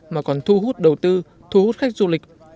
mà còn thu hút đầu tư thu hút khách du lịch